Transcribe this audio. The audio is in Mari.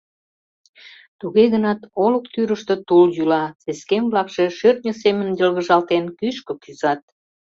Туге гынат, олык тӱрыштӧ тул йӱла, сескем-влакше, шӧртньӧ семын йылгыжалтен, кӱшкӧ кӱзат.